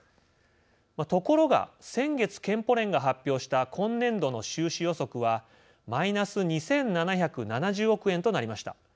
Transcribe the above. ところが先月健保連が発表した今年度の収支予測はマイナス２，７７０億円となりました。